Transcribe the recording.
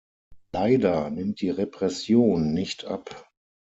Leider nimmt die Repression nicht ab.